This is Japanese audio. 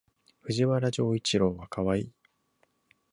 藤原丈一郎はかわいい